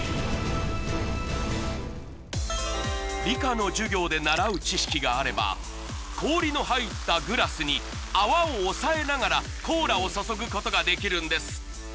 理科の授業で習う知識があれば氷の入ったグラスに泡を抑えながらコーラを注ぐことができるんです。